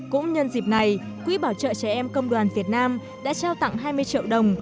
cũng nhân dịp này quỹ bảo trợ trẻ em công đoàn việt nam đã trao tặng hai mươi triệu đồng